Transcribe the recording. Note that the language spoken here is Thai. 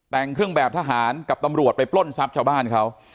แต่งเครื่องแบบทหารกับตำรวจไปปล้นทรัพย์ชาวบ้านเขา